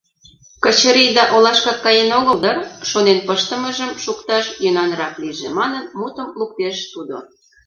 Качырийда олашкак каен огыл дыр? — шонен пыштымыжым шукташ йӧнанрак лийже манын, мутым луктеш тудо.